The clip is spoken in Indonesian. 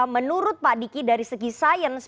menurut pak diki dari segi sains